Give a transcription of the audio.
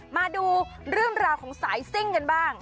มาดูเรื่องราวของสายซิ่งกันบ้าง